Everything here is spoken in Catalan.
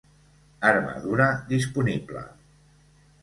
Armadura Disponible: